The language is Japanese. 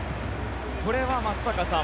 これは松坂さん